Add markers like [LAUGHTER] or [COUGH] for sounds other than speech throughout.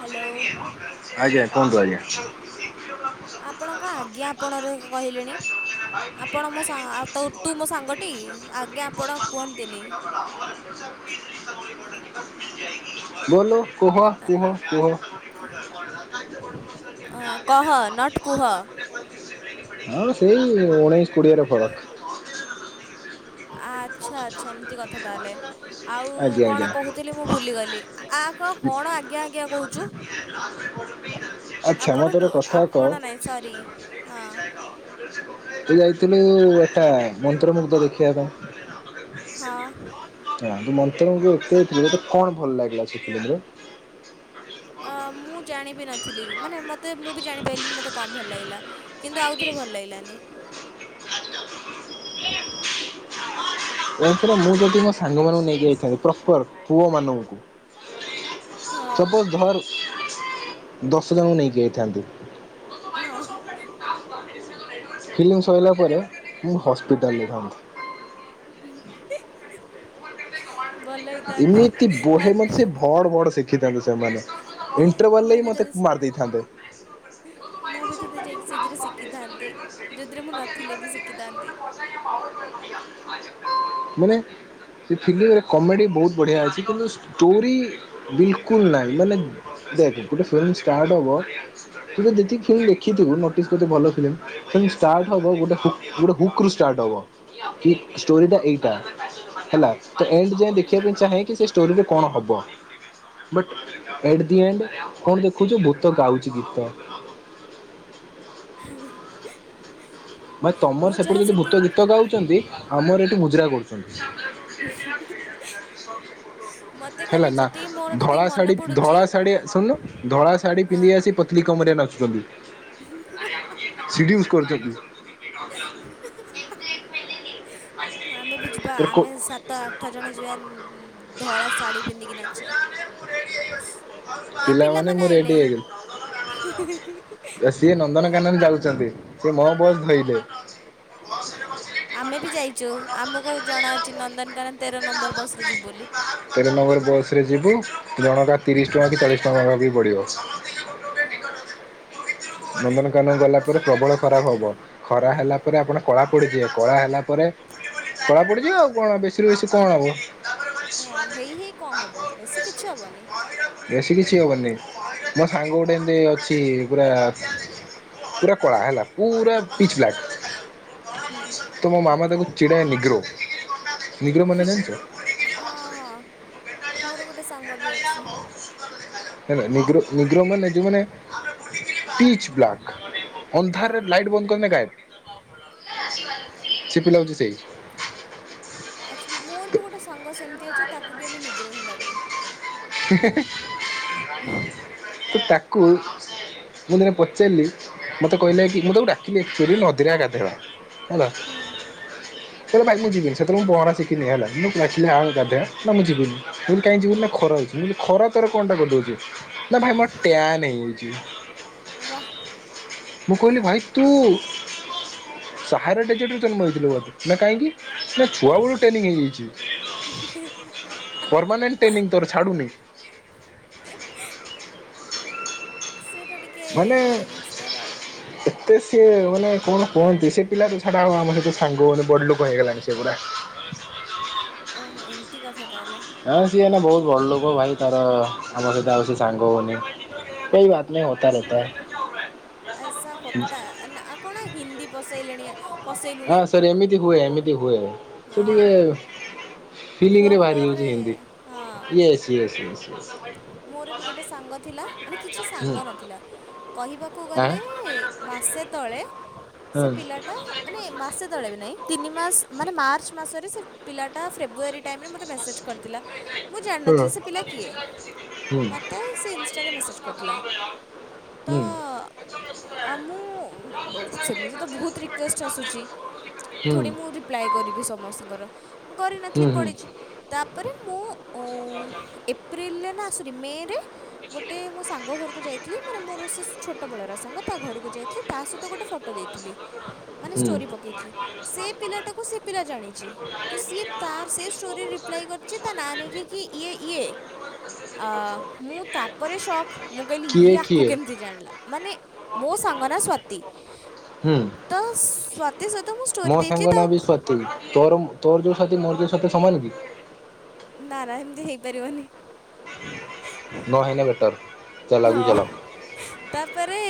Hello ଆଜ୍ଞା, କୁହନ୍ତୁ ଆଜ୍ଞା। ଆପଣ କଁ ଆଜ୍ଞା, ଆପଣରେ କ-କହିଲେଣି? ଆପଣ ମୋ ସା ତ-ତୁ ମୋ ସାଙ୍ଗଟି! ଆଜ୍ଞା ଆପଣ କୁହନ୍ତିନି। [UNINTELLIGIBLE] କୁହ କୁହ କୁହ। କହ ନଟ୍ କୁହ। ହଁ ସେଇ ଉଣେଇ କୁଡ଼ିଏର ଫଳକ୍। ଆଚ୍ଛା, ଆଚ୍ଛା ଏମିତି କଥା ତାହେଲେ! ଆଉ ଆଜ୍ଞା କଣ ଆଜ୍ଞା। କହୁଥିଲି ମୁଁ ଭୁଲିଗଲି। ଆ କ-କଣ ଆଜ୍ଞା, ଆଜ୍ଞା କହୁଚୁ? ଆଚ୍ଛା ଆପଣ ମତେ କ ଗୋଟେ କଥା ଆପ୍ କହ? ମୋଣ ନାଇଁ ସରି, ଅଁ। ତୁ ଯାଇଥିଲୁ ଏଟା ମନ୍ତ୍ରମୁଗ୍ଧ ଦେଖିଆ ପାଇଁ। ଅଁ ହଁ ତୁ [UNINTELLIGIBLE] ତତେ କଣ ଭଲ ଲାଗିଲା ସେ ଫିଲିମ୍ ରେ? ଅ ମୁଁ ଜାଣିବି ନଥିଲି। ମାନେ ମତେ ମୁଁ ବି ଜାଣିପାଇଲିନି, ମତେ କମ୍ ଭଲ ଲାଗିଲା। କିନ୍ତୁ ଆଉଥରେ ଭଲ ଲାଇଲାନି। [UNINTELLIGIBLE] ମୁଁ ଯଦି ମୋ ସାଙ୍ଗ ମାନଙ୍କୁ ନେଇକି ଯାଇଥାନ୍ତି, ପ୍ରପର୍ ପୁଅ ମାନଙ୍କୁ। ହଁ ସପୋ ଧର୍ ଦଶ ଜଣକୁ ନେଇକି ଯାଇଥାନ୍ତି! ହଁ-ହ୍। ଫିଲିମ୍ ସଇଲା ପରେ, ମୁଁ ହସ୍ପିଟାଲ୍ ରେ ଥାଆନ୍ତି। [UNINTELLIGIBLE] ଭଲ ଏମିତି ବୋହେ ମତେ ହେଇଥାନ୍ତା ସେ ଭଡ଼୍ ଭଡ୍ ଶିଖିଥାନ୍ତୁ ସେମାନେ। ଇଣ୍ଟରୱାଲ୍ ମୁଁ ଲେଇ ବି ମତେ ତତେ ମାର୍ ଦେଇେଥାନ୍ତେ! [INAUDIBLE] [INAUDIBLE] ମୁଁ ବି ତତେ ଯାଇକି ସେଥିରେ ଶିଖିଥାନ୍ତି ଯୋଉଥିରେ ମୁଁ ନଥିଲେ ବି ଶିଖିଥାନ୍ତି। [INAUDIBLE] ମାନେ ସେ ଫିଲିମ୍ ରେ କମେଡି ବହୁତ ବଢ଼ିଆ ଅଛି। କିନ୍ତୁ ଷ୍ଟୋରୀ, ବିଲ୍ କୁଲ୍ ନାଇଁ। ମାନେ ଦେଖେ ଗୋଟେ ଫିଲ୍ମ ଷ୍ଟାର୍ଟ ହବ। ତୁତ ଯେତିକି ଫିଲ୍ମ ଦେଖିଥିବୁ ନୋଟିସ୍ ଗୋଟେ ଭଲ ଫିଲିମ୍ ଫିଲ୍ମ ଷ୍ଟାର୍ଟ ହବ, ଗୋଟେ ହୁକ୍ ଗୋଟେ ହୁକ୍ ରୁ ଷ୍ଟାର୍ଟ ହବ। କି, ଷ୍ଟୋରୀଟା ଏଇଟା। ହେଲା ତ ଏଣ୍ଡ ଯାଏଁ ଦେଖିବା ହୁଁ ପାଇଁ ଚାହେଁ କି, ସେ ଷ୍ଟୋରୀରେ କଣ ହବ? ବଟ୍ ଏଟ୍ ଦି ଏଣ୍ଡ୍ କଣ ଦେଖୁ ଯେ, ଭୂତ ଗାଉଛି ଗୀତ। [UNINTELLIGIBLE] ବାଇ ତମର ମୁଁ ସେପଟେ ଯାହା ଯଦି ଭୂତ ସେଥିରେ ଗୀତ ଗାଉଚନ୍ତି! ଆମର ଏଠି ମୁଜୁରା କରୁଛନ୍ତି ମତେ ଖାଲି ହେଲା ନା ଯେତିକି ମୋର ଯେତିକି ଧଳା ମନେ ଶାଢୀ ପଡୁଛି ଧଳା ଶାଢୀ ଶୁଣନୁ ଧଳା ଶାଢୀ ପିନ୍ଧି ଆସି ପ କଲି କମରେ ନାଚୁଛନ୍ତି ହିଁ ହିଁ ହାଁ ହାଁ ସିଡି ଇୟୁଜ କରୁଛନ୍ତି ନି [INAUDIBLE] ଆମେ ବି ଯିବା ଆମେ ସାତ ତ ଆଠ ଜଣ ଯିବା ଧଳା ଶାଢ଼ୀ ପିନ୍ଧିକି ନାଚିବା ଏ ପିଲାମାନେ ପିଲାମାନେ ମୁଁ ରେଡି ଆଇଲେ ହିଁ ହିଁ ହିଁ ବେ ସିଏ ନନ୍ଦନ କାନନ ଯାଉଛନ୍ତି ସେ ମୋ ବୋ ଧଇଲେ ଆମେ ବି ଯାଇଛୁ ଆମକୁ ଜଣା ଅଛି ନନ୍ଦନକାନନ ତେର ନମ୍ବର ବସରେ ଯିବୁ ବୋଲି ତେର ନବର ବସ ରେ ଯିବି ଜଣକା ତିରିଶ ଟଙ୍କା କି ଚାଳିଶ ଟଙ୍କା ବି ପଡିବ ହଁ ନନ୍ଦନକାନନ ଗଲା ପରେ ପ୍ରବଳ ଖରାପ ହବ ଖରା ହେଲା ପରେ ଆପଣ କଳା ପଡିଯିବେ କଳା ହେଲା ପରେ କଳା ପଢା ପଡିଯିବ ଆଉ କଣ ବେଶୀରୁ ବେଶୀ କଣ ହବ ତାପରେ କଲି ହଁ ଶୁଆ ହେଇ ଦେଖିବି ହେଇ କଣ ହବ ବେଶୀ ତାଙ୍କେଶ କିଛି ହବନି [UNINTELLIGIBLE] ବେଶୀ କିଛି ହବନହିଁ ମୋ ସାଙ୍ଗ ଗୋଟେ ଏମତି ଅଛି ପୁରା ପୁରା କଳା ହେଲା ପୁରା ପିଚ ହୁଁ [UNINTELLIGIBLE] ତୁମ ମାମ ତାକୁ ଚିଡାଏ ନିଗ୍ରୋ ନିଗ୍ରୋ ମାନେ ଜାଣିଚ ହଁ ହଁ ମୋର ଗୋଟେ ସାଙ୍ଗ ବି ଅଛି କାଇନା ନିଗ୍ରୋ ନିଗ୍ରୋ ମାନେ ଯୋଉ ମାନେ ପିଚ ବ୍ଲାକ୍ ଅନ୍ଧାରରେ ହଁ। ଲାଇଟ ବନ୍ଦ କରିନ ଗାୟିପ ସେ ପିଲା ହଉଛି ସେଇ ଆଚ୍ଛା ମୋର ବି ଗୋଟେ ସଂଘ ସେମିତି ଅଛି ତାକୁ ବି ଆମେ ନିଗ୍ରହ ହିଁ ଡାକୁ ତ ତାକୁ ମୁଁ ଦିନେ ପଚାରିଲି ମତେ କହିଲେ କି ମୁଁ ତାକୁ ଡାକିଲିଆଚୁଆଲି ନଦୀରେ ଆ ଗାଧେଇବା ହେଲା [INAUDIBLE] ହେଲେ ଭାଇ ମୁଁ ଯିବିନି ସେତେବେଳେପହଁରା ଶିଖିନି ହେଲା ମୁଁ [UNINTELLIGIBLE] ମୁଁ ଯିବିନିଁ କାହିଁ ଯିବିନି ନା ଖରା ହେଉଛି ମୁଁ କହିଲି ଖରାଟାରେ କଣଟା କରୁଛୁ ନାଁ ଭାଇ ମୋର ଟ୍ୟାନ୍ ହେଇଯାଇଛି ୱାହା ମୁଁ କହିଲି ଭାଇ ତୁ ସାହାରାରେ ଟିକେ୍ ନାଁ କାହିଁକି ନାଁ ଛୁଆ ବେଳୁ ଟ୍ରେନିଂ ହେଇଯାଇଛି ହ [INAUDIBLE] ପରମାନେଣ୍ଟ ଟ୍ରେନିଂ ତୋର ଛାଡ଼ୁନି ସେଇଟା ଟିକେ୍ ହେଇଯାଇଛି ତାର ଆଉ ଯେ ସିଏ ମାନେ କଣ କୁହନ୍ତି ସେ ପିଲା ତ ଛାଡ଼ ଆଉ ଆମ ସହିତ ସାଙ୍ଗ ହେଉନି ବଡ଼ ଲୋକ ହେଇଗଲାଣି ସେପୁରା ଓହୋ ଏମିତି କଥା ତାହେଲେ ହଁ ସିଏ ନା ବହୁତ ବଡ଼ ଲୋକ ଭାଇ ତାର ଆମ ସହିତ ଆଉ ସେ ସାଙ୍ଗ ହଉନି କୋଇ ବାତ ନେହି ହେତା ରେତା ଐସା ହେତା ଆଉ କଣ ହିନ୍ଦୀ ବସେଇଲେଣି ହଁ ସରି ଏମିତି ହୁଏ ଏମିତି ହୁଏ ହଁ। ସେ ଟିକେ ଫ୍ଲୋ ଫିଲ୍ମରେ ବାହାରିଵ ଫ୍ଲୋରରେ ସିଏ ଏମିତି ହଁ। ଇଏସେ୍ ଇଏସେ୍ ମୋର ବି ଗୋଟେ ସାଙ୍ଗ ଥିଲା ମାନେ କିଛି ହୁଁ ସାଙ୍ଗ ନଥିଲା କହିବାକୁ ଆଁ ଗଲେ ମାସେ ତଳେ ସେ ହଁ ପିଲାଟା ମାନେ। ଏ ମାସେ ତଳେ ବି ନାଇଁ ତିିନି ମାସ ମାନେ ମାର୍ଚ୍ଚରେ ମାସରେ ସେ ପିଲା ଟା ଫେବୃୟାରୀ ଟାଇମିରେ ମତେ ମେସେଜ୍। କରିଥିଲା ମୁଁ ହଁ ଜାଣିନଥିଲି ସେ ପିଲା କିଏ। ହୁଁ ହୁଁ। ମତେ ସେ ଇନଷ୍ଟାରେ ମେସେଜ୍ କରିଥିଲା ତ ହୁଁ ଆଉ ମୁଁ ସେମିତି ତ ବହୁତ ରିକୁଏଷ୍ଟ ଆସୁଛି। ଥୋଡ଼ି ମୁଁ ହୁଁ ରିପ୍ଲାଏ କରିବି ସମସ୍ତଙ୍କର ମୁଁ କରିନଥିଲି ହୁଁ। ପଡ଼ିଛି। ତାପରେ ମୁଁ ଉଁ ଏପ୍ରିଲି ନା ସରି ମେ ରେ। ଗୋଟେ ମୋ ସାଙ୍ଗ ଘରକୁ ଯାଇଥିଲି ମାନେ ମୋର ସେ ଛୋଟ ବେଳର ସାଙ୍ଗ। ତା ଘରକୁ ଯାଇଥିଲି ତା ସହିତ ଗୋଟେ ଫଟୋ ଦେଇଥିଲି। ମାନେ ହୁଁ ଷ୍ଟୋରି ପକେଇକି ସେ ପିଲାଟାକୁ ସେ ପିଲା ଜାଣିଛି। ତ୍ ସିଏ ତା ସେ ଷ୍ଟୋରି ରିପ୍ଲାଇ କରିଛି ତା ନାଁ ନେଇକି ଇଏ ଇଏ। ଆ ମୁଁ ତାପରେ ସକ୍ ମୁଁ କହିଲି ଇଏ କିଏ ଆକୁ କିଏ କେମିତି ଜାଣିଲା ମାନେ। ମୋ ସାଙ୍ଗ ନା ସ୍ଵାତି ହୁଁ। ତ୍ ସ୍ଵ ମୋ ସାଙ୍ଗ ନାଁ ବି ସ୍ଵାତି ତୋର୍ ତୋର୍ ଯୋଉ ସ୍ଵାତି ମୋର ଯୋଉ ସ୍ବାତି ସମାନ କି। ନାଁ ନାଁ ସେମିତି ହେଇପାରିବନି। ନ ହେଲେ ବେଟର୍। ହଁ ତାପରେ।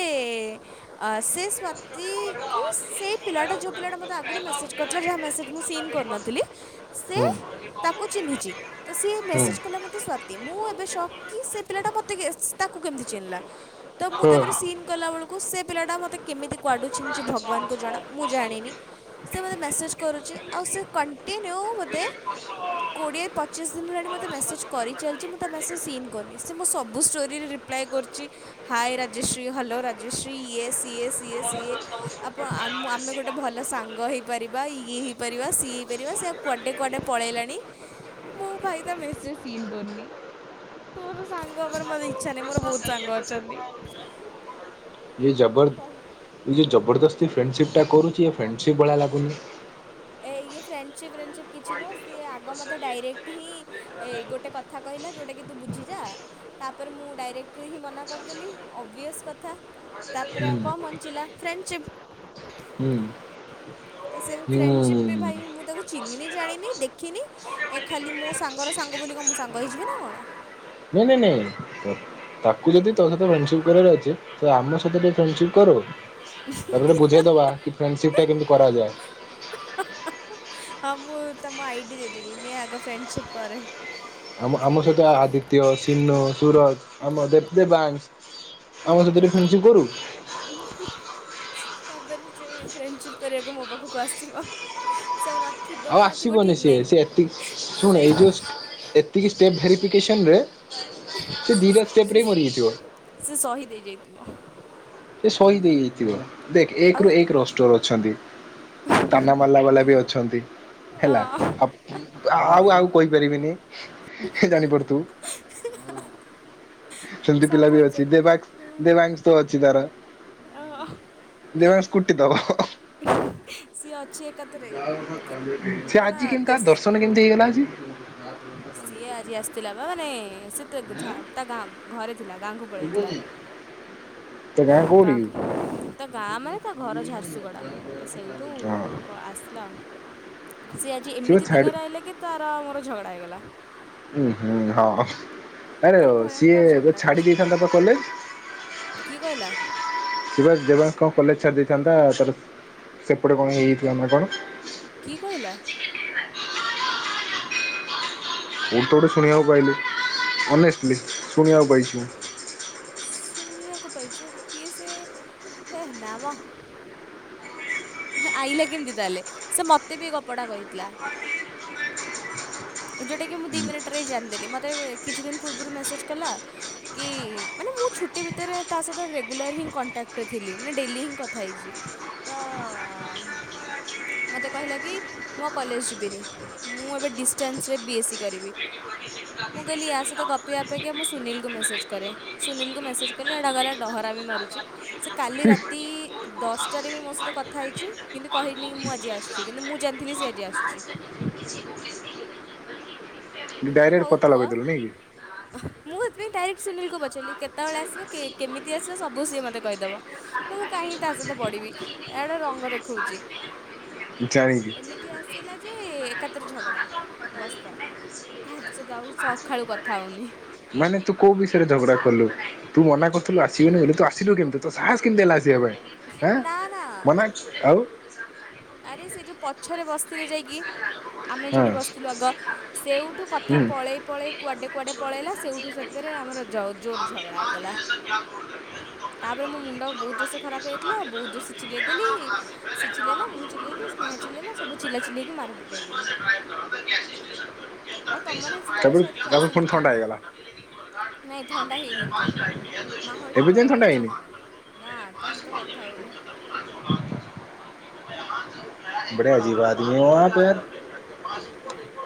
ଆ ସେ ସ୍ଵାତି କୁ ସେଇ ପିଲାଟା ଯୋଉ ପିଲା ଟା ମତେ ଆ ଆଗରୁ ମେସେଜ୍ କରିଥିଲା ଯାହା ମେସେଜ୍ ମୁଁ ସିନ କରିନଥିଲି। ସେ ହୁଁ ତାକୁ ଚିହ୍ନିଛି ତ ସିଏ ହୁଁ ମେସେଜ କଲା ମତେ ସ୍ଵାତି। ମୁଁ ଏବେ ସକ୍ କି ସେ ପିଲା ଟା ମତେ ତାକୁ କେମିତି ଚିହ୍ନିଲା ତ ମୁଁ ତାପରେ ସିନ୍ ହଁ। କଲା ବେଳକୁ ସେ ପିଲାଟା ମତେ କେମିତି। କୁଆଡୁ ଚିହ୍ନିଚି ଭଗବାନଙ୍କୁ ଜଣା ମୁଁ ଜାଣିନି ସେ ମୋତେ ମେସେଜ୍ କରୁଛି ଆଉ ସେ। କଣ୍ଟିନ୍ୟୁ ବୋଧେ କୋଡ଼ିଏ ପଚିଶ ଦିନି ହେଲାଣି ମୋତେ ମେସେଜ୍ କରିଚାଲିଛି ମୁଁ ତା ମେସେଜ୍ ସିନ୍। କରିନି ସେ ମୋ ସବୁ ଷ୍ଟୋର୍ ରେ ରିପ୍ଲାଏ କରୁଛି ହଏ ରାଜଶ୍ରୀ ହ୍ୟାଲୋ ରାଜଶ୍ରୀ ଇଏ ସିଏ ସିଏ ସିଏ। ଆପଣ ଆମ ଆମେ ଗୋଟେ ଭଲ ସାଙ୍ଗ ହେଇ ପାରିବା ଇଏ ହେଇପାରିବା ସିଏ ହେଇପାରିବା ସେ ଆ କୁଆଡ଼େ କୁଆଡ଼େ ପଳେଇଲାଣି ମୁଁ ଭାଇ ତା ମେସେଜ ସିନ୍ କରିନି। ତୋର ସାଙ୍ଗ ହବାରେ ମତେ ଇ ଏ କ'ଣ ଜବର। କହିବି ଏ ଯୋଉ ଜବରଦସ୍ତି ଫ୍ରେଣ୍ଡସିପ୍ ଟା କରୁଛି ଏ ଫ୍ରେଣ୍ଡସିପ୍ ଭଳିଆ ଲାଗୁନି। ଏ ଇଏ ଫ୍ରେଣ୍ଡସିପ୍ ଫ୍ରେଣ୍ଡସିପ୍ କିଛି ନୁହଁ ସିଏ ଆଗ ମୋତେ ଡାଇରେକ୍ଟ ହିଁ। ଏ ଗୋଟେ କଥା କହିଲା ଯୋଉଟା କି ତୁ ବୁଝି ଯା। ତା ପରେ ମୁଁ ଡାଇରେକ୍ଟ ହିଁ ମନା କରିଦେଲି ଓବିଅସ୍ କଥା। ତାପରେ ହୁଁ ଆଉ କଣ ବଞ୍ଚିଲା ଫ୍ରେଣ୍ଡସିପ୍। ହୁଁ। ତ ସେ ହୁଁ ଫ୍ରେଣ୍ଡସିପ୍ ବି ଭାଇ ମୁଁ ତାକୁ ଚିହ୍ନିନି ଜାଣିନି ଦେଖିନି। ଖାଲି ମୋ ସାଙ୍ଗର ସାଙ୍ଗ ବୋଲି କଁ ମୋ ସାଙ୍ଗ ହେଇଯିବି ନା କଣ? ନାଇଁ ନାଇଁ ନାଇଁ ତାକୁ ଯଦି ତୋ ସହିତ ଫ୍ରେଣ୍ଡସିପ କରିବାର ଅଛି ସେ ଆମ ସହିତ ଟିକେ ଫ୍ରେଣ୍ଡସିପ କରୁ ତାପରେ ବୁଝେଇ ଦବା ପ୍ରେଣ୍ଡସିପ ଟା କେମିତି କରାଯାଏ। ହଁ ମୁଁ ତମ ଆଇଡି ଦେଇଦେବି ନିଅ ଆଗ ଫ୍ରେଣ୍ଡସିପ କରେ। ଆମ ଆମ ସହିତ ଆଦିତ୍ୟ, ସିନୁ, ସୁରଜ। ଆମ ଯେତେ ଦେବାଂଶ ଆମ ସହିତ ଟିକେ ଫ୍ରେଣ୍ଡ୍ ସିପ କରୁ। [INAUDIBLE] ତା ପରେ ସେ ଫ୍ରେଣ୍ଡସିପ କରିବାକୁ ମୋ ପାଖକୁ ଆସିବ ସେ ଆଉ ନଥିବ ଆଉ କି ନଥିବ ଆସିବନି ଠିକ୍ ସିଏ ନାହିଁ ସେ ଏତିକି ଶୁଣ ଏଇ ଯୋଉ ସେଇ ଏତିକି ଷ୍ଟେପ୍ ଭେରିଫିକେସନରେ ସେ ଦୁଇଟା ଷ୍ଟେପ୍ ରେ ମରିଯାଇଥିବ। ସେ ସହିଦ ହେଇ ଯାଇଥିବ। ସେ ସହିଦି ହେଇଯାଇଥିବ ଦେଖ ଅ ଏକରୁୁ ଏକ ରଷ୍ଟର ଅଛନ୍ତି। ତାନା ମାରଲା ବାଲା ବି ଅଛନ୍ତି ହେଲା। ଆଉ ଆଉ କହିପାରିବିନି ଜାଣିପାରୁଥିବୁ। ସେମତି ପିଲା ସବୁ ବି ଅଛି ଦେବାଂ ଅଛନ୍ତି ଦେବାଂଶ ଅଛି ତାର ହଁ ହଁ। ଦେବାଂଶ କୁଟିଦେବ। ସିଏ ଅଛି ଏକାଥରେ ସେ କଣ ଆଜି କେମିତି ତା ଦେଶ ଦର୍ଶନ କେମିତି ହେଇଗଲା ଆଜି। ସିଏ ଆଜି ଆସିଥିଲା ବା ମାନେ ସେ ତା ଗାଁ ଘରେ ଥିଲା ଗାଁକୁ ପଳେଇଥିଲା। ତା ଗାଁ କୋଉଠି କି? ଗାଁକୁ ତା ଗାଁ ମାନେ ତା ଘର ଝାରସୁଗୁଡ଼ା ତ ସେଇଠୁ ହଁ ଆସିଲା ଆଉ ସିଏ ଆଜି ସିଏ ଏମିତି ଦିନରେ ଆଇଲା କି ତାର ଆଉ ମୋର ଝଗଡା ହେଇଗଲା। ଉଁ ହୁଁ ହଁ। ଆରେ ମାନେ ସିଏ ଭୟଙ୍କର ଏବେ ଝଗଡ଼ା ଛାଡି ହେଇଛି ଦେଇଥାନ୍ତା ତ କଲେଜ କିଏ କହିଲା ସିଏବା ଦେବା କଣ କଲେଜ ଛାଡି ଦେଇଥାନ୍ତା ତାର ସେପଟେ କଣ ହେଇଯାଇଥିଲା ନା କଣ କି କହିଲା। ମୁଁ ତ ଗୋଟେ ଶୁଣିବାକୁ ପାଇଲି ଅନେଷ୍ଟଲି ଶୁଣିବାକୁ ପାଇଛି ମୁଁ ଶୁଣି ଆକୁପାଇଛୁ କିଏ ସେ ହେ ନାମ ଆଇଲା କେମିତି ତାହେଲେ ସେ ମତେ ବି ଏ ଗପ ଟା କହିଥିଲା। ଯେଉଁଟାକି ମୁଁ ଦିଇ ମିନିଟ୍ରେଁ ଜାଣିଦେଲି ମୋତେ କିଛି ଦିନ ପୂର୍ବରୁ ମେସେଜ କଲା। କି ମାନେ ମୁଁ ଛୁଟି ଭିତରେ ତା ସହିତ ରେଗୁଲାର ହିଁ କଣ୍ଟାକ୍ଟ ଥିଲି ମାନେ ଡେଲି ହିଁ କଥା ହେଇଛି। ତା [UNINTELLIGIBLE] ମୋତେ କହିଲା କି ମୁ ଆଉ କଲେଜ ଯିବିନି ମୁଁ ଏବେ ଡିସି ଷ୍ଟେନ୍ସରେ ବିଏସ୍ ସି କରିବି। [UNINTELLIGIBLE] ମୁଁ କହଲି ୟା ସହିତ ଗପିବା ଅପେକ୍ଷା ମୁଁ ସୁନୀଲକୁ ମେସେଜ୍ କରେ ସୁନୀଲକୁ ମେସେଜ କଲି ଏଇଟା ଗଲା ଡହରା ମି ମାରୁଛି। ସେ କାଲି ରାତି ଦଶଟାରେ ବି ମୋ ସହିତ କଥା ହେଇଛି କିନ୍ତୁ କହିନି ମୁଁ ଆଜି ଆସୁଛି କିନ୍ତୁ ମୁଁ ଜାଣିଥିଲି ସେ ଆଜି ଆସୁଛି। ମୁଁ କହିଲି ଡାଇରେକ୍ଟ ହଉ ପତା ପୁଅ। ଲଗେଇଦେଲୁ ନାଇଁ କି? ମୁଁ ସେଥିପାଇଁ ଡାଇରେକ୍ଟ ସୁନୀଲକୁ ପଚାରିଲି କେତେବେଳେ ଆସିବ କେମତି ଆସିବ ସବୁ ସଏ ମୋତେ କହିଦେବ। ତ ମୁଁ କାହିଁକ ତା ସହିତ ପଢିବି ଏ ଗୋଟେ ରଙ୍ଗ ଦେଖଉଛି। ଜାଣିଛି ଏମିତି ଆସିଲା ଯେ ଏକାତରେ ଝଗଡ଼ା ବସ୍ତା ତାଠୁ ସତ ଆଉ ସକାଳୁ କଥା ହଉନି। ମାନେ ତୁ କୋଉ ବିଷୟରେ ଝଗଡା କଲୁ ତୁ ମନା କରୁଥିଲୁ ଆସିବୁନି ବୋଲିଲେ ତୁ ଆସିଲୁ କେମିତି ତୋ ସାସ କେମତି ହେଲା ଆସିବା ପାଇଁ ଏଁ ନା ନା ମନା ଆଉ। ଆରେ ସେ ଯେଉଁ ପଛରେ ବସ୍ତିରେ ଯାଇକି ଆମେ ଯେଉଁଠି ହଁ ବସିଥିଲୁ ଆଗ ସେଉଠୁ କଥା ହୁଁ। ପଳେଇ ପଳେଇ କୁଆଡ଼େ କୁଆଡ଼େ ପଳେଇଲା ସେଇଠୁ ସେଥିରେ ଆମର ଜୋର ଝଗଡ଼ା ହେଇଗଲା। ତାପରେ ମୋ ମୁଣ୍ଡ ବହୁତ ଜୋରସ ଖରାପ ହେଇାଇଥିଲା ବହୁତ ଜୋରସେ ଚିଲେଇଦେଲି। ସେ ଚିଲେଇଲା ମୁଁ ଚିଲେଇଲି ସ୍ନେହା ଚିଲେଇଲା ସବୁ ଚିଲା ଚିଲେଇକି ମାର ପିଟା ହେଇଗଲୁ। ଆଉ ତମ ମାନେ ସେତେବେଳେ ସାୟଧେ କ୍ଲାସ ରେ ନଥିଲ। ନାଇଁ ଥଣ୍ଡା ହେଇନି ଏବେ ଯାଏଁ, ମାହୋଲ୍ ଟା ଗରମ ଅଛି। ନା ତା ସହିତ କଥା ହଉନି। ବଡେ ଅଜିବ ଆଦମି ହେ ୟାହାଁ ପେ।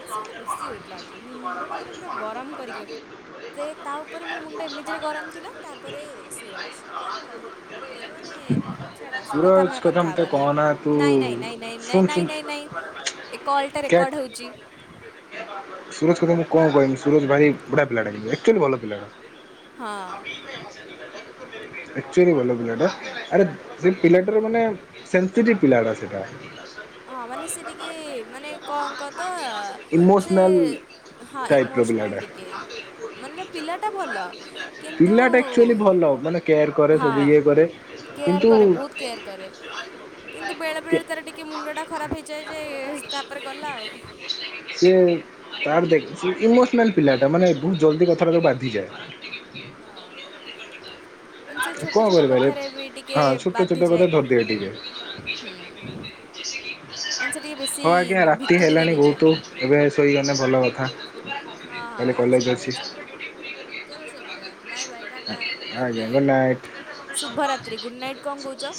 ଆ ସେ ଗୋଟେ ବେଶୀ ହେଉଥିଲା ଆଜି ମୁଁ ମୁଣ୍ଡଟା ମାନେ ପୁରା ଗରମ୍ କରିକି ରଖି ସେ ତା ଉପରେ ମୋ ମୁଣ୍ଡ ଏମିତିରେ ଗରମ୍ ଥିଲା ତାପରେ ସୁରଜ କଣ କହେ ଏ ମାନେ ଛାଡ, ସେ କଥା ଆମେ କଥା ହବାନି। ନାଇଁ ନାଇଁ ନାଇଁ ନାଇଁ। ନାଇଁ ନାଇଁ ନାଇଁ ନାଇଁ ଏ କଲ୍ ଟା ରେକର୍ଡ଼ ହେଉଛି‌। ସୁରଜ୍ କଥା ମୁଁ କଣ କହିବି ସୁରଜ୍ ଭାରି ବଢିଆ ପିଲାଟା ଆକ୍ଚୁଆଲି ଭଲ ପିଲାଟା। ହଁ [INAUDIBLE] ଆକ୍ଚୁଆଲି ଭଲ ପିଲାଟା। ଆରେ ସେ ପିଲାଟାର ମାନେ ସେନ୍ସିଟିଭ୍ ପିଲାଟା ସେଇଟା। ହଁ ମାନେ ସେ ଟିକେ ମାନେ କଣ କହ ତ ସେ ଇମୋସନାଲ୍ ସେ ହଁ ଟାଇପ୍ ର ପିଲାଟା ଇମୋସ୍ନାଲ୍ ଟିକେ। ମାନେ ପିଲାଟା ଭଲ, କିନ୍ତୁ ପିଲାଟା ଆକ୍ଚୁଆଲି ଭଲ ମାନେ କେଆର କର ହଁ କେୟାର୍ କରେ ବହୁତ କେୟାର୍ କ କରେ, କିନ୍ତୁ ବେଳେ ବେଳେ ତାର ଟିକେ ମୁଣ୍ଡଟା ଖରାପ ହେଇଯାଏ ଯେ ତାପରେ ଗଲା ଆଉ। ସିଏ ତାର ଦେଖ୍ ଇମୋସନାଲ୍ ପିଲା ଟା ମାନେ ବହୁତ ଜଲଦି କଥା ତାକୁ ବାଧିଯାଏ। ହଁ। ମାନେ ସେ କଣ ଛୋଟ ଛୋଟ କରିବାରେ କଥାରେ ବି ଟିକେ ହଁ ଛୋଟ ଛୋଟ ବାଧିଯାଏ। କଥା ଧରିଦିଏ ଟିକେ ହୁଁ, ମାନେ ସେ ଟିକେ ବେଶୀ ହଉ ଆଜ୍ଞା ରାତି ଭିତରକୁ ହେଲାଣି ନେଇଯା ବହୁତ ଏବେ ଶୋଇଗଲେ ଭଲ କଥା, ହଁ କାଲି ହଁ କଲେଜ ଶୋଇପଡ଼ିବା ଅଛି। ଚାଲ ଚାଲ ଶୋଇପଡ଼ିବା ବାଏ ବାଏ ଟାଟା ଗୁଡ଼୍ ଆଜ୍ଞା ଗୁଡ୍ ନାଇଟ୍। ଶୁଭରାତ୍ରି ଗୁଡ଼୍ ନାଇଟ୍ କ'ଣ କହୁଛ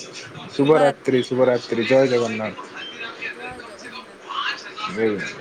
ଶୁଭ ଶୁଭରାତ୍ରି ରାତ୍ରି ଶୁଭ ରାତ୍ରି ଜୟ ଜଗନ୍ନାଥ। ଜୟ ଜଗନ୍ନାଥ। ହୁ [UNINTELLIGIBLE]